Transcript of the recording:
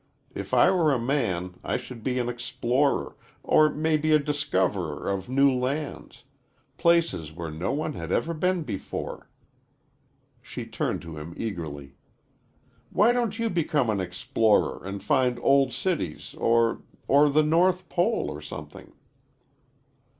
If I were a man, I should be an explorer, or maybe a discoverer of new lands places where no one had ever been before." She turned to him eagerly, "Why don't you become an explorer, and find old cities or or the North Pole, or something?"